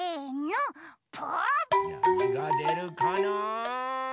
なにがでるかな。